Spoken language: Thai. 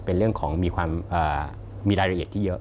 เป็นเรื่องของมีความมีรายละเอียดที่เยอะ